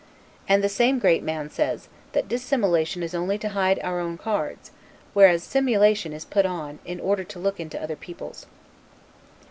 And the same great man says, that dissimulation is only to hide our own cards, whereas simulation is put on, in order to look into other people's.